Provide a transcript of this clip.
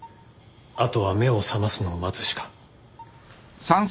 あとは目を覚ますのを待つしか。